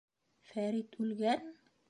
Фәрит үлгән?!